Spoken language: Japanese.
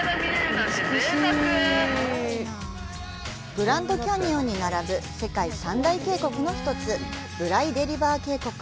グランド・キャニオンに並ぶ世界三大渓谷の一つプライデリバー渓谷。